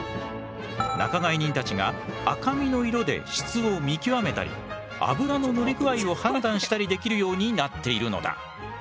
仲買人たちが赤身の色で質を見極めたり脂の乗り具合を判断したりできるようになっているのだ。